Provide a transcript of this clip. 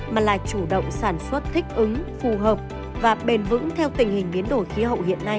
mà là chủ động sản xuất thích ứng phù hợp và bền vững theo tình hình biến đổi khí hậu hiện nay